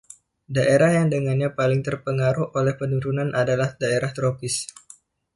Daerah yang dengannya paling terpengaruh oleh penurunan adalah daerah tropis.